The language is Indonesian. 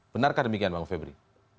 benarkah demikian bang febri